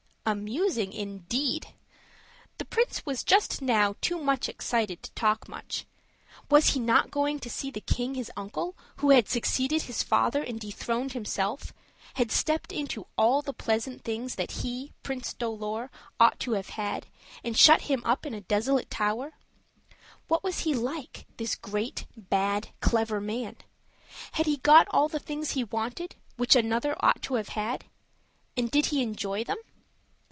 Amusing, indeed! The prince was just now too much excited to talk much. Was he not going to see the king his uncle, who had succeeded his father and dethroned himself; had stepped into all the pleasant things that he, Prince Dolor, ought to have had, and shut him up in a desolate tower? What was he like, this great, bad, clever man? Had he got all the things he wanted, which another ought to have had? And did he enjoy them?